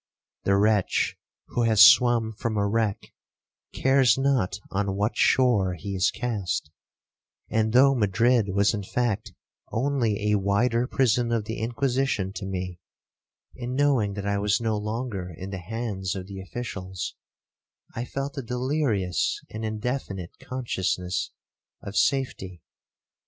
The wretch who has swum from a wreck cares not on what shore he is cast; and though Madrid was in fact only a wider prison of the Inquisition to me, in knowing that I was no longer in the hands of the officials, I felt a delirious and indefinite consciousness of safety.